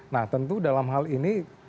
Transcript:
nah tentu dalam hal ini